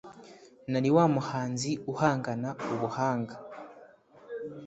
nari wa muhanzi uhangana ubuhanga